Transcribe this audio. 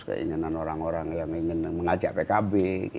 pengurus pengurus yang ingin mengajak pkb